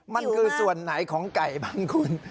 มันคือส่วนไหนของไก่บ้างคุณ